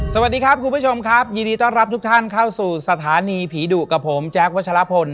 สวัสดีครับคุณผู้ชมครับยินดีต้อนรับทุกท่านเข้าสู่สถานีผีดุกับผมแจ๊ควัชลพล